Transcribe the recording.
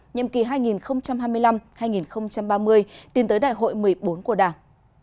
nhiệm kỳ hai nghìn hai mươi năm hai nghìn ba mươi tiến tới đại hội một mươi bốn của đảng